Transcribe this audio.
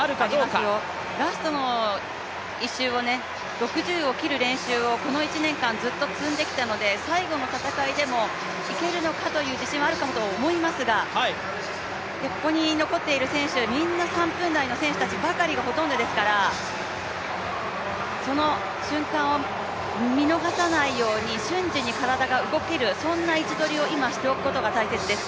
ありますよ、ラストの１周を６０を切る練習をこの１年間ずっと積んできたので最後の戦いでもいけるのかという自信はあると思いますがここに残っている選手、みんな３分台の選手たちばかりがほとんどですから、その瞬間を見逃さないように瞬時に体が動けるそんな位置取りを今しておくことが大切です。